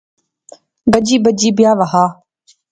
گجی بجی بیاہ وہا